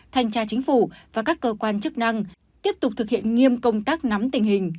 thanh tra chính phủ và các cơ quan chức năng tiếp tục thực hiện nghiêm công tác nắm tình hình